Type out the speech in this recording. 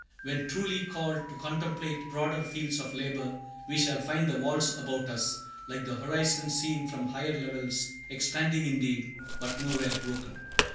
When truly called to contemplate broader fields of labor, we shall find the walls about us, like the horizon seen from higher levels, expanding indeed, but nowhere broken.